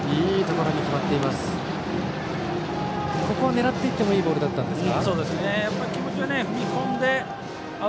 ここは狙っていってもいいボールだったんですか？